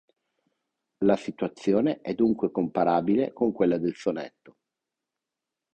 La situazione è dunque comparabile con quella del sonetto.